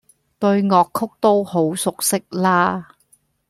對樂曲都好熟悉啦